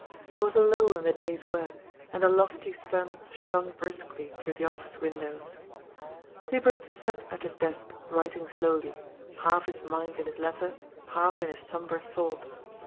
There was a lull in the day's work, and the lofty sun shone briskly through the Office windows. Hubert sat at his desk writing slowly, half his mind in his letter, half in his sombre thoughts.